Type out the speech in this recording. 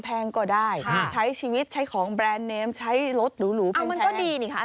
แล้วก็ขายได้แต่ปัญหามันอยู่ตรงที่ว่า